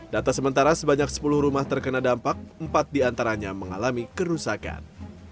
data sementara sebanyak sepuluh rumah terkena dampak empat diantaranya mengalami kerusakan